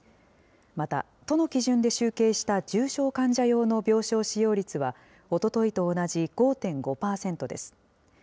また、都の基準で集計した重症患者用の病床使用率は、おとといと同じ５．５％です。